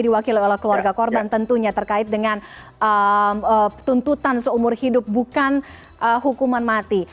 jadi wakil oleh keluarga korban tentunya terkait dengan tuntutan seumur hidup bukan hukuman mati